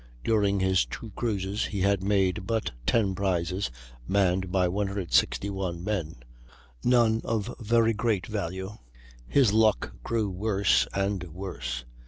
During his two cruises he had made but 10 prizes (manned by 161 men), none of very great value. His luck grew worse and worse.